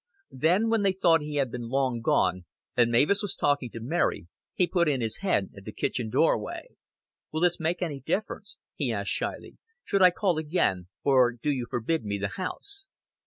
Then, when they thought he had been long gone and Mavis was talking to Mary, he put in his head at the kitchen doorway. "Will this make any difference?" he asked shyly. "Should I call again or do you forbid me the house?"